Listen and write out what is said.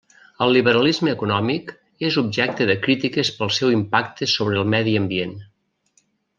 El liberalisme econòmic és objecte de crítiques pel seu impacte sobre el medi ambient.